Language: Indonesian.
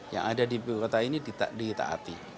yang ada di ibu kota ini ditaati